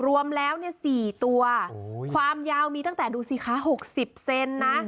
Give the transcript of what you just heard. รวมแล้ว๔ตัวความยาวมีตั้งแต่ดูสิคะ๖๐เซนนะ